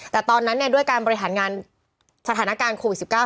แต่ตอนนั้นด้วยการบริหารงานสถานการณ์โควิด๑๙